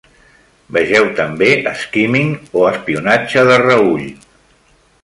Vegeu també skimming o espionatge de reüll.